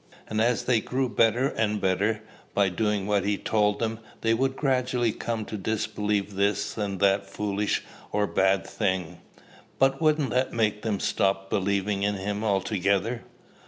And as they grew better and better, by doing what he told them, they would gradually come to disbelieve this and that foolish or bad thing." "But wouldn't that make them stop believing in him altogether?"